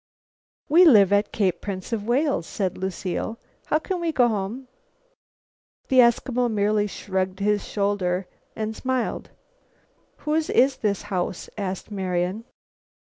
"We live at Cape Prince of Wales," said Lucile. "How can we go home?" The Eskimo merely shrugged his shoulders and smiled. "Whose is this house?" asked Marian.